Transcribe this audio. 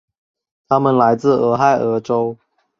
他们来自俄亥俄州。